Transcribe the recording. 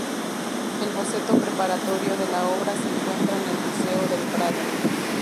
El boceto preparatorio de la obra se encuentra en el Museo del Prado.